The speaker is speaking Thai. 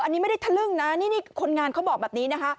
อันนี้ไม่ได้ทะลึ่งนะนี่คนงานเขาบอกแบบนี้นะคะ